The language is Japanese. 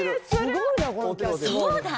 そうだ！